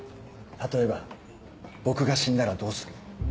例えば僕が死んだらどうする？